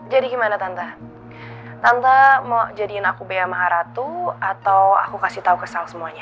jadi gimana tante tante mau jadiin aku bea maharatu atau aku kasih tau kesal semuanya